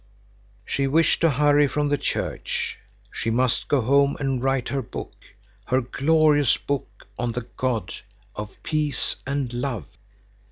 She wished to hurry from the church. She must go home and write her book, her glorious book on the God of peace and love.